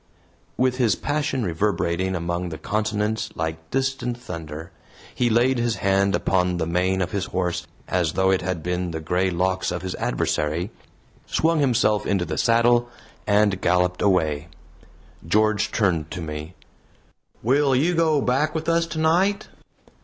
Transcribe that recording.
With his passion reverberating among the consonants like distant thunder, he laid his hand upon the mane of his horse as though it had been the gray locks of his adversary, swung himself into the saddle and galloped away. George turned to me: "Will you go back with us tonight?"